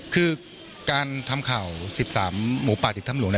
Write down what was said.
คือการทำข่าว๑๓หมูปาสิทธิ์ธรรมหลวง